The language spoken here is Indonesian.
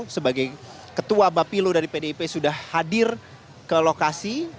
sebagai ketua bapilo dari pdip sudah hadir ke lokasi